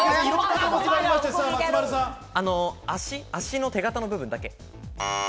足の手形の部分だけ。